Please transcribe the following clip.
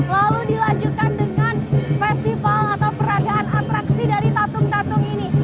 lalu dilanjutkan dengan festival atau peradaan atraksi dari tatung tatung ini